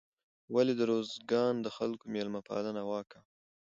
ولې د روزګان د خلکو میلمه پالنه واقعا